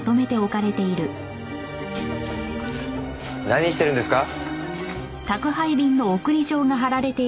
何してるんですか？